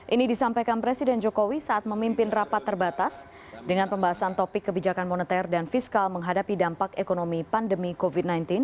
ini disampaikan presiden jokowi saat memimpin rapat terbatas dengan pembahasan topik kebijakan moneter dan fiskal menghadapi dampak ekonomi pandemi covid sembilan belas